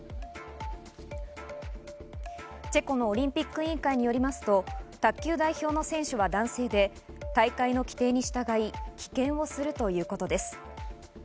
チェコのオリンピック委員会によりますと、卓球代表の選手は男性で、大会の規定に従い棄権をするということです。